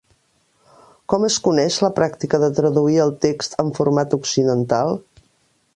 Com es coneix la pràctica de traduir el text en format occidental?